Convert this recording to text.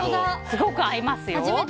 すごく合いますよ。